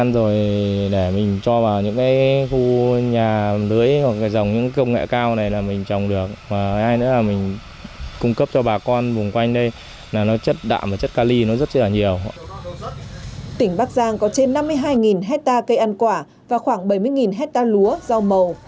tỉnh bắc giang có trên năm mươi hai hectare cây ăn quả và khoảng bảy mươi hectare lúa rau màu